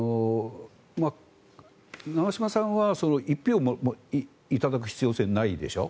長嶋さんは１票を頂く必要性はないでしょ。